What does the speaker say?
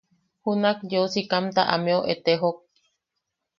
Junak yeu sikamta ameu etejok.